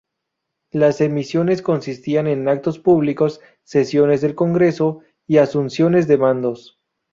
Las emisiones consistían en actos públicos, sesiones del congreso y asunciones de mandos.